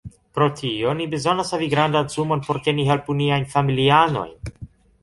Pro tio, ni bezonas havi grandan sumon por ke ni helpu niajn familianojn